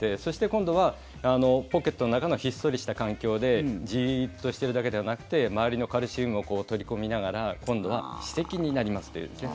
、今度はポケットの中のひっそりした環境でじっとしているだけではなくて周りのカルシウムを取り込みながら今度は歯石になりますというですね。